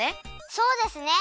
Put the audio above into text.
そうですね。